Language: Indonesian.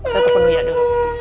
saya telfon uya dulu